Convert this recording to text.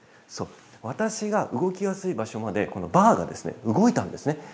そう、私が動きやすい場所まで、このバーが動いたんですね。